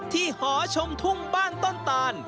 หอชมทุ่งบ้านต้นตาน